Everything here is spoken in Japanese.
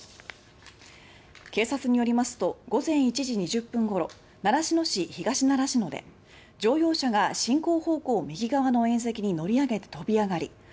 警察によりますと午前１時２０分頃習志野市東習志野で乗用車が進行方向右側の縁石に乗り上げて飛びあがり